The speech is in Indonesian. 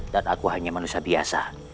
dan aku hanya manusia biasa